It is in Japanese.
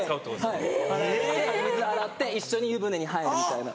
はい洗って水で洗って一緒に湯船に入るみたいな。